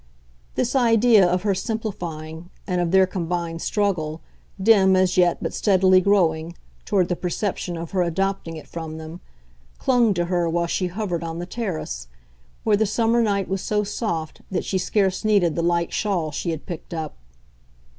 This idea of her simplifying, and of their combined struggle, dim as yet but steadily growing, toward the perception of her adopting it from them, clung to her while she hovered on the terrace, where the summer night was so soft that she scarce needed the light shawl she had picked up.